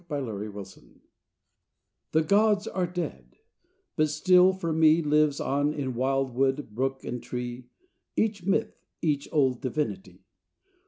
BEAUTY AND ART The gods are dead; but still for me Lives on in wildwood brook and tree Each myth, each old divinity.